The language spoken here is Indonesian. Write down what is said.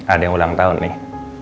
ada yang ulang tahun nih